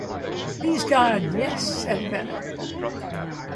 "Please God, yes," said Bennett.